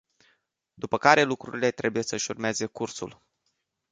După care lucrurile trebuie să își urmeze cursul.